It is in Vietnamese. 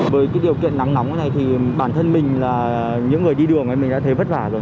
với cái điều kiện nắng nóng này thì bản thân mình là những người đi đường ấy mình đã thấy vất vả rồi